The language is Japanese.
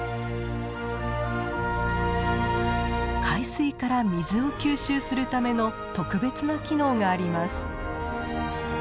海水から水を吸収するための特別な機能があります。